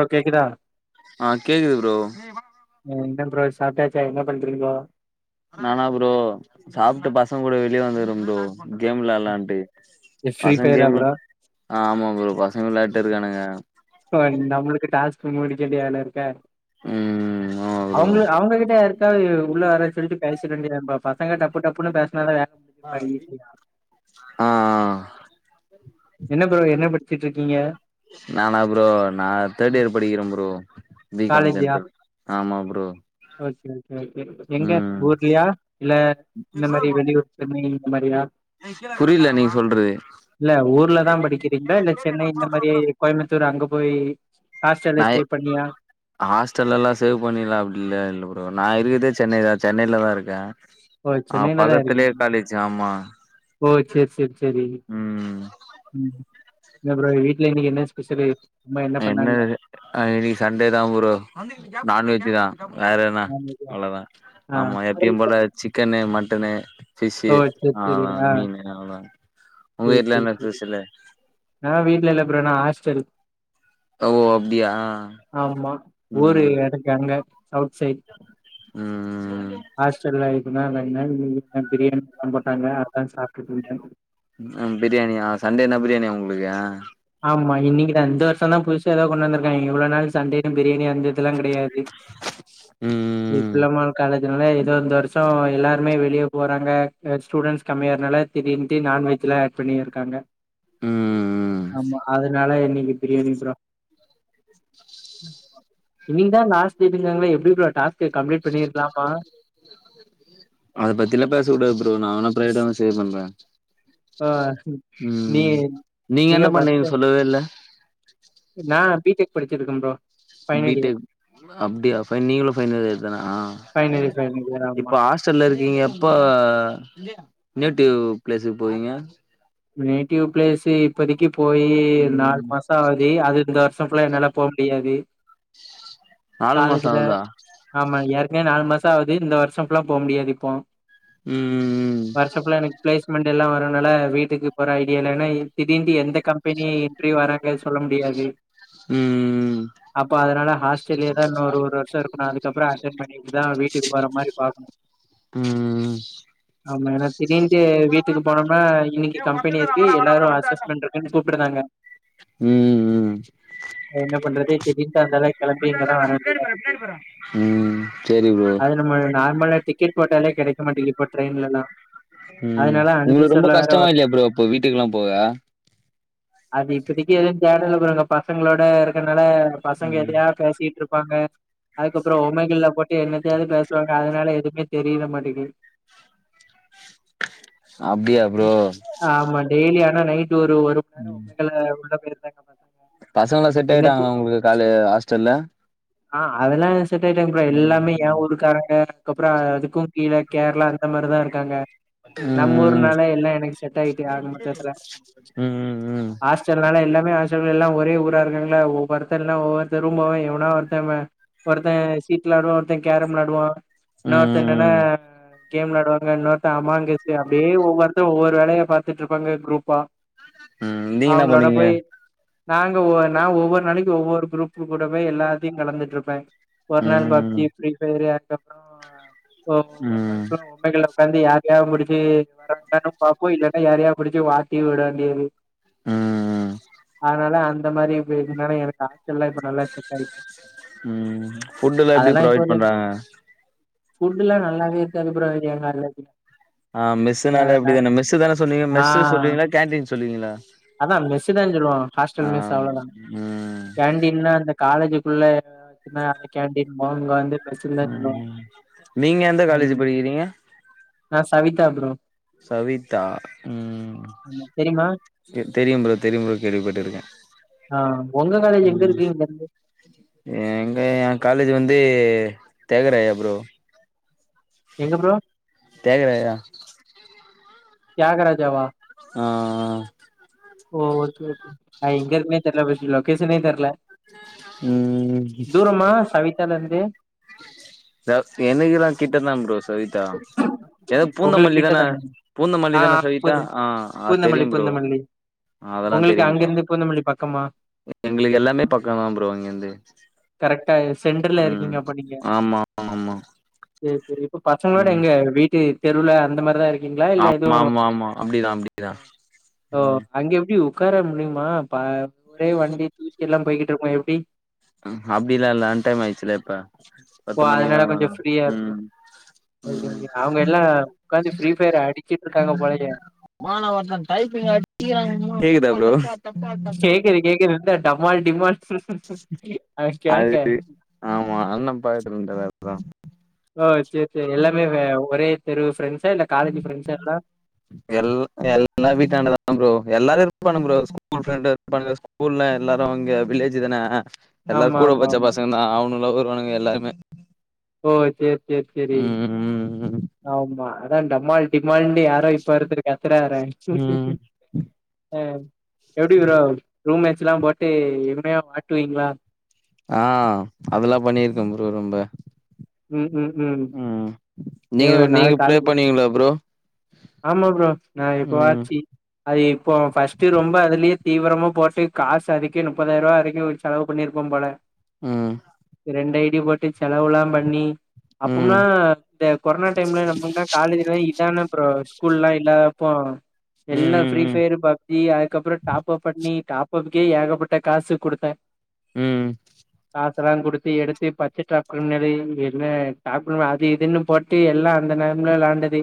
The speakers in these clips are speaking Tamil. ஓ கேக்குதா ஆ கேக்குது ப்ரோ ம் என்ன ப்ரோ சாப்ட்டாச்சா என்ன பண்ரீங்கோ நானா ப்ரோ சாப்ட்டு பசங்க கூட வெளிய வந்துருக்கே ப்ரோ கேம் விளயாட்லான்டு ஃப்ரீ பசங்க ஃபயரா கேம் விள ப்ரோ ஆ ஆமா ப்ரோ பசங்க விளயாண்ட்டே இருக்கானுங்க ப்ரோ நம்மளுக்கு டாஸ்க் முடிக்க வேண்டிய வேல இருக்க ம் ஆமா ப்ரோ அவங்களு அவங்ககிட்டயா இருக் [unintelligible] உள்ள வர சொல்லிட்டு பேசிரவேண்டிய தான பா பசங்க டப்பு டப்புன்னு பேஸ்னாதா வேல முடியு ஆ ஆ என்ன ப்ரோ என்ன படிச்சிட்ருக்கீங்க நானா ப்ரோ நா தேர்ட் இயர் படிக்கிறே ப்ரோ பி காம் ஜென்ட்ரல் ஆமா ப்ரோ ஓக்கே ஓக்கே ஓகே எங்க ம் ஊர்லியா இல்ல இந்த மாரி வெளியூர் சென்னை இந்த மாரியா புரியல நீங்க சொல்றது இல்ல ஊர்லதா படிக்கிறீங்ளா இல்ல சென்னை இந்த மாரி கோயம்புத்தூர் அங்க போய் ஹாஸ்ட்டல்ல ஸ்டே பண்ணியா ஹாஸ்டல்லலா சேவ் பண்ணிலா அப்டிலா இல்ல ப்ரோ நா இருக்கதே சென்னைதா சென்னையிலதா இருக்கே ஓ அ சென்னையில பக்கத்திலே காலேஜி ஆமா ஒ சேரி சேரி சேரி ம் ம் என்ன ப்ரோ வீட்ல இன்னைக்கி என்ன ஸ்பெஷலு அம்மா என்ன பண்ணாங்க என்னது அ இன்னைக்கு சண்டே தா ப்ரோ நான் வெஜ் தா வேற என்ன நான்வெஜ்ஜா அவ்ளோதா ஆ ஆமா எப்பயு போல சிக்கனு மட்டனு பிஷ்சு ஓ செரி செரி அவ்ளோதா ஆ மீனு அவ்ளோதா உங்க வீட்ல என்ன பெஷலு நாலா வீட்ல இல்ல ப்ரோ நா ஆஸ்டலு ஓ அப்டியா ஆமா ஊரு ம் எனக்கு அங்க சவுத் சைட் ம் ம் ஹாஸ்டல்ல இருந்தா [unintelligible] இன்னைக்குதா பிரியாணி எல்லா போட்டாங்க அதா சாப்ட்டுட்டு இருந்தேங் ம் பிரியாணியா சண்டேன்னா பிரியாணியா உங்ளுக்கு ஆமா இன்னைக்கிதா இந்த வருஷ தா புதுசா ஏதோ கொண்டு வந்ருக்காய்ங்க இவ்ளோ நாள் சண்டே பிரியாணி வந்தது அப்பிட்லா கெடயாது ம் [unintelligible] காலேஜ்னால ஏதோ இந்த வருஷோ எல்லாருமே வெளிய போறாங்க பிளஸ் ஸ்டூடெண்ஸ் கம்மியா ஆகுரறதுனால திடிர்ன்னுட்டு நான்வெஜ்லா ஆட் பண்ணிருக்காங்க ம் ம் ஆமா அதனால இன்னைக்கு பிரியாணிப் ப்ரோ இன்னைக்குதா லாஸ்ட் டேட் இங்காங்ளே எப்டி ப்ரோ டாஸ்க் கம்ப்ளிட் பண்ணிருலாமா அத பத்திலா‌ பேசக்கூடாது ப்ரோ நா வேனா பிரைவேட்டா மெசேச் பண்றே ஆ நீ ம் நீங்க என்ன பண்ணீங்க சொல்லவே இல்ல நா பிடெக் படிச்சிட்ருக்கே ப்ரோ ஃபைனல் இயர். பிடெக் அப்டியா ஃபை நீங்களு ஃபைனல் இயர் தானா ஃபைனல் இயர், ஃபைனல் இயர் ஆமா. இப்ப ஆஸ்ட் ஆஸ்ட்டல்ல இருக்கீங்க எப்போ நேட்டிவ் பிளேஸுக்கு போவீங்க நேட்டிவ் பிளேஸு இப்போதைக்கு போயி நாலு ம் மாசோ ஆகுது அது இந்த வருஷோ [unintelligible] ஃபுல்லா என்னால போவ முடியாது நாலு மாசோ காலேஜில ஆகுதா ஆமா ஏற்க்கனவே நாலு மாசோ ஆகுது இந்த வருஷோ ஃபுல்லா போவ முடியாது இப்போ ம் வருஷோ ஃபுல்லா எனக்கு பிளேஸ்மெண்ட் எல்லா வருததுனால வெய்ட் வீட்டுக்கு போற ஐடியா இல்லனா திடீர்ன்டு எந்த கம்பெனி இன்டர்வியூ வராங்க சொல்ல முடியாது ம் அப்போ அதுனால ஹாஸ்டல்லே தா இன்னொரு ஒரு வருஷம் இரு அதுக்கப்றம் அட்டன் பண்ணிட்டு தா வீட்டுக்கு போற மாரி பாக்கணு ம் ஆமா எனா திடீர்ன்டு வீட்டுக்கு போனாம்னா இன்னிக்கி கம்பெனி இருக்கு எல்லாரு அசஸ்மெண்ட் இருக்குனு கூப்புடுருதாங்க ம் ம் என்ன பண்றது திடீர்ன்டு அந்தால கெளம்பி இங்க தா வர வேண்டிய தா இருக்கு ம் சேரி ப்ரோ அது நம்ம நார்மலா டிக்கெட் போட்டாலே கெடைக்க மாட்டிங்கிது இப்ப ட்ரெயின்லலா ம் உங்களுக்கு ரொம்ப கஷ்டமா இல்லயா ப்ரோ அப்ப வீட்டுக்குல்லா போக அது இப்பதிக்கு எதுவும் தேடல ப்ரோ இங்க பசங்களோட இருக்கனால பசங்க ம் எதயா பேசிட்டு இருப்பாங்க அதுக்கப்பறம் ஒமைகில்ல போட் என்னதயாது பேசுவாங்க அதுனால எதுமே தெரியிர மாட்டிங்கி அப்டியா ப்ரோ ஆமா டெய்லி ஆனா நைட் ஒரு நேரம் ஒமைகல உள்ள பேயிடு தேங்க பசங்க எல்லா செட் ஆயிட்டாங்க உங்களுக்கு காலு ஹாஸ்டல்ல ஆ அதெல்லா செட் ஆயிட்டாங்க ப்ரோ ம் எல்லாமே ஏ ஊருக்காராங்க அதுகப்றம் அதுக்கும் கீழ கேரளா அந்த மாரிதான் இருக்காங்க நம்ம ம் ம் ஊர்னால எல்லா எனக்கு செட் ஆயிட்டு ஆக மெத்தத்துல ம் ம் ம் இத்தன் நாள்ல எல்லாமே ஹாஸ்டல் எல்லா ஒரே ஊரா இருக்காங்கள ஒவ்வொருத்தர் லாம் ஒவ்வொருத்தர் ரூம் போவே யவனோ ஒருத் தவன் ஒருத்தவன் சீட் விளாடுவான் ஒருத்தன் கேரம் விளாடுவான் இன்னோர்தன் என்னன்னா ம் ஆ கேம் விளாடுவாங்க இன்னோருதே அமாங்கசு அப்டியே ஒவ்வொருத்த ஒவ்வொரு வேலய பாத்துட்டு ருப்பாங்க குரூப்பா ம் நீங்க என்ன அவுங்குளோட பண்ணுவீங்க போய் நாங்க ஒ நா ஒவ்வொரு நாளைக்கு ஒவ்வொரு குரூப் கூட போய் எல்லாத்தையும் கலந்துட்டு ருப்பேன் ஒரு நாள் ம் பக்தி ஃப்ரீ பயரு அதுக்கப்புறம் ஒரு நாள் ம் சுலேகம் உண்மைகள்ல உக்காந்தி யார்ட முடிச்சி வரடானு பாப்போம் இல்லன்னா யாரயாது புடிச்சு வாட்டி வுட வேண்டியது ம் ம் அதுனால அந்த மாரி இது இருனா எனக்கு ஆஸ்டல்லாம் இப்ப நல்லா செட் ஆயிரு ம் ஃபுட்டெல்லா எப்டி அதெல்லா இப்போ ப்ரொவைட் ஒரு பண்றாங்க ஃபுட் எல்லா நல்லாவே இருக்காது ப்ரோ [unintelligible] ஆ மெஸ்னுனாலே அப்டித்தானே மெஸ்சு சொன்னீங்க மெஸ்சு சொல்லுவீங்களா கேன்டீன் சொல்லுவீங்களா அதான் மெஸ்சு தா சொல்லுவோம் ஹாஸ்டல் ஆ மெஸ் அவ்ளோதான் ம் இன்னு அந்த காலேஜ் குள்ள அந்த கேண்டீன் போவோ இங்க வந்து மெஸ்ஸுன் தா சொல்லுவோ ம் நீங்க எந்த காலேஜ் ஆமா படிக்கிறீங்க நா சவித்தா ப்ரோ சவித்தா ம் ஆமா தெரியுமா தெரியும் ப்ரோ தெரியும் ப்ரோ கேள்விபட்டுருக்கே ஆ ஒங்க காலேஜ் எங்க இருக்கு இங்கருந்து எங்க என் காலேஜ் வந்து தியாகராயர் ப்ரோ எங்க ப்ரோ தியாகராயர் தா தியாக ராஜா வா ஆ ஆ ஓ ஓகே ஓகே அது எங்க இருக்குனே தெர்ல பஸ்ட் லொக்கேஷனே தெர்ல ம் தூரமா சவித்தாலந்து என்னுகில்லா கிட்டதா ப்ரோ சவித்தா எது பூந்த உங்களுக்கு மல்லி கிட்ட தான பூந்த மல்லி ஆ தான ஆ சவித்தா பூந்த ஆ ஆ பூந்தமல்லி தெரியும் ப்ரோ பூந்தமல்லி அதெல்லா தெரியும் ப்ரோ கம்மா எங்களுக்கு எல்லாமே பக்கம் தா ப்ரோ இங்கேந்து கரெக்டா சென்டர்ல இருக்கீங்க அப்ப நீங்க ஆமா ஆமா சரி சரி இப்ப பசங்களோட ம் எங்க வீட்டு தெருல அந்த மாதிரிதான் இருக்கு ங்களா இல்ல ஆமா எதுவும் ஆமா ஆமா அப்டிதா அப்டிதா ம் அங்க எப்படி உட்கார முடியுமா ஒரே வண்டி தூச்சி எல்லாம் போய்கிட்டு இருக்கோம் எப்படி அப்படி இல்லாம் இல்ல அன் டைம் ஆயிடுச்சுல இப்ப ஓ பத்து மணிலா அதனால மேல கொஞ்சம் ஃப்ரீயா ம் இருந்தும் ம் ஓகேக அவங்க எல்லாம் உட்காந்து ஃப்ரீ ஃபயர் அடிச்சிட்டு இருக்காங்க போழைய மானவர்தன் டைப்பிங் ஆங்காோ கேக்குது கேக்குது என்ன டமாள் டிமாள் அ அது கேக்கே ஆமா அண்ணே பாத்துனுந்தார் அதா ஓ சேர் சேரி எல்லாமே வ ஒரே தெரு ஃப்ரெண்ஸா இல்ல காலேஜு ஃப்ரெண்ஸா எல்லா எல்ல எல்லா வீட்டாண்டதா ப்ரோ எல்லாரு இருப்பானுங் ப்ரோ ஸ்கூல் ஃப்ரெண்டு இருப்பானுங்க ஸ்கூல்ல எல்லாரு இங்க வில்லேஜு தானே எல்லார் ஆமா, கூட ஆமா, பச்சா ஆமா. பசங்க தா அவ்னுங்ளு வருவானுங்க எல்லாருமே ஓ சேர் சேர் சேரி ம் ம் ஆமா அதா டமால் டிமால்ன் னு யாரோ இப்ப ஒருத்தரு கத்துறாறே ம் அ எப்டி ப்ரோ ரூம் மேட்ஸுலாம் போட்டு எவனியா வாட்டுவீங்ளா ஆ அதுல்லா பண்ணியிருக்கே ப்ரோ ரொம்ப ம், ம், ம் நீங்க ஏங்க நீங்க நாளைக்கு ப்ளே காலேஜ் பண்வீங்களா ப்ரோ ஆமா ப்ரோ நா ம் எப்போவாச்சி அது இப்போ ஃபஸ்ட்டு ரொம்ப அதுலியே தீவிரமா போட்டு காசு அதுக்கே முப்பதாய்ருவா வரைக்குச் செலவு பண்ணியிருப்பம்போல ம் ரெண்டு ஐடி போட்டு செலவுலாம் பண்ணி ம் அப்பம்ல்லா இந்த கொரோனா டைம்லா நம்மள்க்லா காலேஜ் இல்ல இதான ஒர் ஸ்கூல்லா இல்ல அப்போ ம் எல்லா ம் ஃப்ரீ ம் ஃபயரு பப்ஜி அதுக்கப்புறோ டாப்பப் பண்ணி டாப்பப்புகே ஏகப்பட்ட காசு குடுத்தே ம் காசெல்லா குடுத்து எடுத்து [unintelligible] நெறிய என்ன ஆப்புன் அது இதுன்னு போட் டு எல்லா அந்த நேரம்ல விளாண்டது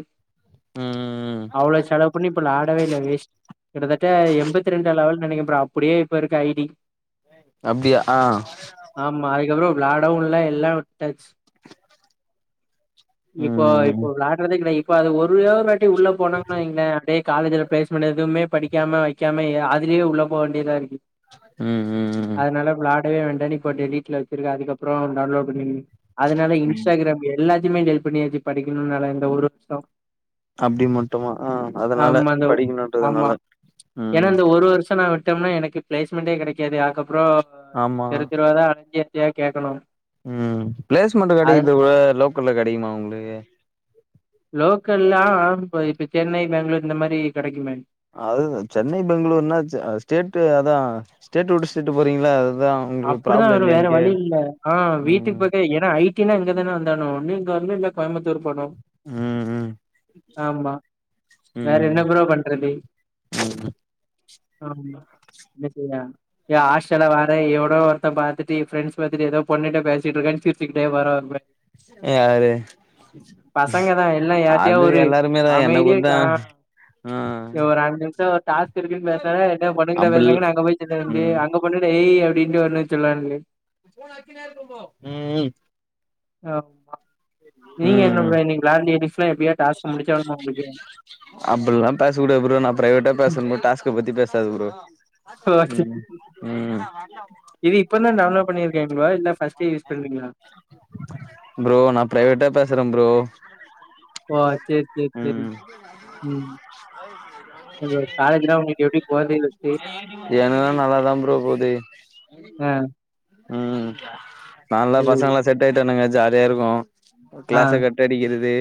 ம் அவ்ளோ செலவ் பண்ணு இப்ப வ்ளாடவே இல்ல வேஸ்ட் கிட்டத்தட்ட எம்பத்தி ரெண்டா லெவல் நெனைக்க ப்ரோ அப்புடியே இப்ப இருக்கு ஐடி அப்டியா ஆ ஆமா அதுக்கப்புறோ வ்ளாடவு இல்ல எல்லா உட்டாச்சு இப்போ ம் இப்போ விளாட்றதே கிடையா இப்போ அது ஒ ரே ஒரு வாட்டி உள்ள போனோங்குனு வைங்ளே அப்டே காலேஜுல ப்ளேஸ்மெண்ட் எதுவுமே படிக்காம வெய்க்காம எ அதுலியே உள்ள போ வேண்டியதா இருக்கு ம் ம் ம் அதனால விளாடவே வேண்டான்னு இப்ப டெ வீட்ல வெச்சிருக்க அதுக்கப்புறோ டவுன்லோட் பண்ணி அதனால இன்ஸ்டாகிராம் எல்லாத்தியுமே டெலிட் பண்ணியாச்சு படிக்கணுன்னால இந்த ஒரு வருஷோ அப்டி மட்டுமா ஆ அதனால ஆமா இந்த ஆமா படிக்கணுன்றதுனால ஏனா ம் இந்த ஒரு வருஷோ நா வி ட்டம்னா எனக்கு ப்ளேஸ்மெண்ட்டே கெடைக்காது அதுக்கப்புறோ ஆமா தெரு தெருவாதா அலஞ்சி என்னத்தயாவ் கேக்கணு ம் ப்ளேஸ்மெண்ட்டு அது கெடைக்குத்துவுட லோக்கல்ல கெடைக்குமா உங்ளுக்கு லோக்கல்லா ஆ ப்ரோ இப்ப சென்னை பேங்ளூர் இந்த மாரி கெடைக்குமே அதுதா சென்னை பெங்களூர்னா செ அ ஸ்டேட்டு அதா ஸ்டேட்டு உட்டு ஸ்டேட்டு போறீங்கள அதுதா உங்களுக்கு அப்படிதா ப்ராப்ளம் ஆனு இல்லையானு வேற கே வழி இல்ல ஆ வீட்டுக் ம் பக்க ஏனா ஐ னா இங்கத்தான வந்தானு ஒன்னு இங்க வர்னு இல்ல கோயம்புத்தூர் போனு ம் ம் ஆமா வேற ம் என்ன ப்ரோ பண்றது ஆமா என்ன செய்ய எ ஆஷ்டல வேற எவ் னோ ஒருத்த பாத்துட்டு ஃப்ரெண்ஸ் பாத்துட்டு எதோ பொண்ணிட்ட பேசிட்ருக்கான் சிரிச்சிக்கிட்டே போரா ப்ரோ [unintelligible] யாரு பசங்கதா எல்லா யார்ட்டியா அது ஒரு எல்லாருமே தா என்ன அமைதியா கூத்தா ஆ ஆ எ ஒரு அஞ்சு நிம்ஸோ டாஸ்க்கிருக்குன் பேஸ்னாவே என்ன பொண்ணுங்கிட்ட அப்புல் பேசுறாங்கன் அங்க போய் சொல்ல வேண்டி ம் அங்க பொண்ண ஏய் அப்படின்னு வரன்னு சொல்லலாம்ல்லே உம் ஆஹ் நீங்க ம் என்ன நீங்க லேல எ எப்பா டாஸ்க் முடிச்ச உங்களுக்கு அப்படில்லாம் பேசக்க கூட நான் பிரவேட்ட பேசும் ட் பத்தி பேசது பரோ உம் உம் இது இப்பதான்டவுன்லோட்ண்ணிருக்கங்களா இல்ல ஃர்ஸ்ட யூ பறீா ப்ரோ நான் பிரைவேட்டா பேசுறேன் ப்ரோ ஓ சரி சரி சரி உம் ஆ ஹோ காலஜிரா நீ எவடி போ ஏனதா நல்லாதான் புோ போது ஆ உம் நான்ல்லா பசங்க எப்டி எாம் செட் ஆயிட்டனுங்க ஜாலியா இருக்கும் ஆ கிளாஸ க டிக்கிறது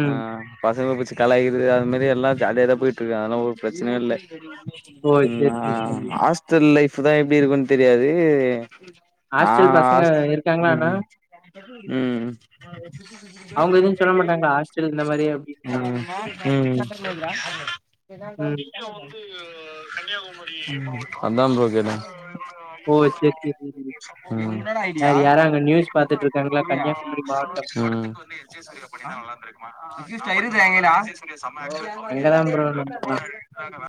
ம் ஆஹ் பசங்க பூச்சு கலாயிது அது மாதிரி எல்லாம் ஜையே தான் போயிட்டு இருக்க அதெல்லாம் ஒரு பிரச்சனையும் இல்லை ஓ சேரி சேரி சேரி ஹாஸ்டல் லைஃப் தான் எப்படி இருக்கும்ன்னு தெரியாது ஹாஸ்டல் பசங்க நான் இருக்காங்களா ஆனா உம் உம் அவங்க எதுவு சொல்ல மாட்டாங்களா ஹாஸ்டல் இந்த மாரி அப்டின்லா ஹ ம் அதம் ரோகத ஓ சேரி சேரி சேரி என்னடா வேற ஐடியா யாரும் அங்க நியூஸ் பாத்துட்டு இருக்காங்களா புடியா கன்னியாகுமரி மாவட்டம் எங்கடா அங்கதான் ப்ரோ நம்பலாம் [inaudible]